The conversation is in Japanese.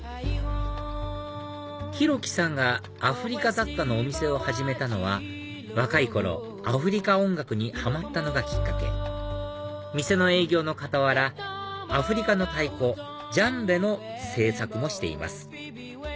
裕記さんがアフリカ雑貨のお店を始めたのは若い頃アフリカ音楽にハマったのがきっかけ店の営業の傍らアフリカの太鼓ジャンベの制作もしています